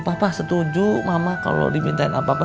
papa setuju mama kalau dimintain apa apa